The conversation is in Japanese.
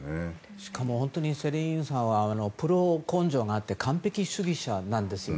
しかも本当にセリーヌさんはプロ根性があって完璧主義者なんですよね。